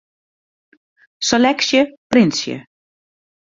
Seleksje printsje.